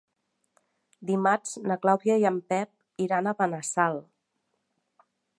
Dimarts na Clàudia i en Pep iran a Benassal.